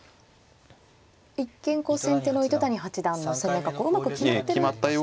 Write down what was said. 一見こう先手の糸谷八段の攻めがうまく決まってるふうにも。